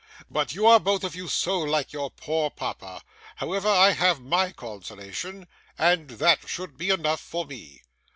But you are both of you so like your poor papa. However, I have MY consolation, and that should be enough for me!